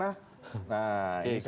nah ini saya tulis